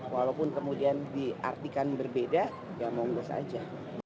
walaupun kemudian diartikan berbeda ya monggo saja